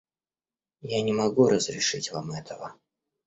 Я не могу разрешить Вам этого.